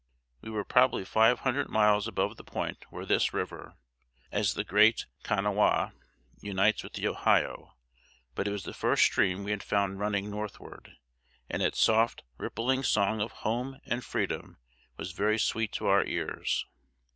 We were probably five hundred miles above the point where this river, as the Great Kanawha, unites with the Ohio; but it was the first stream we had found running northward, and its soft, rippling song of home and freedom was very sweet to our ears.